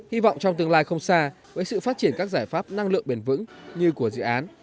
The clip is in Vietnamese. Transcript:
hy vọng trong tương lai không xa với sự phát triển các giải pháp năng lượng bền vững như của dự án